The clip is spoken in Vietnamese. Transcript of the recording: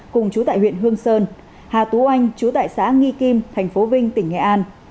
cùng chú tại huyện hương sơn hà tú anh chú tại xã nghi kim thành phố vinh tỉnh nghệ an